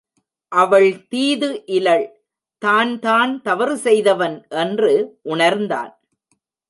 அவள் தீது இலள் தான் தான் தவறுசெய்தவன் என்று உணர்ந்தான்.